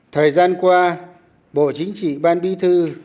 thời gian qua bộ chính trị ban bí thư